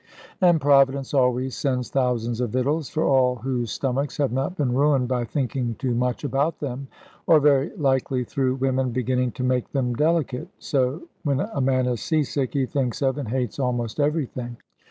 And Providence always sends thousands of victuals for all whose stomachs have not been ruined by thinking too much about them; or very likely through the women beginning to make them delicate. So when a man is sea sick, he thinks of and hates almost everything.